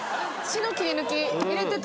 切り抜き入れてた。